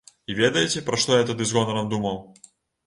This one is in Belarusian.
І ведаеце, пра што я тады з гонарам думаў?